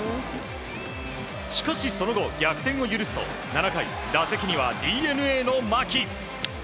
しかしその後、逆転を許すと７回、打席にはＤｅＮＡの牧。